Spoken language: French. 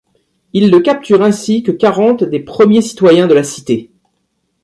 Il le capture ainsi que quarante des premiers citoyens de la cité.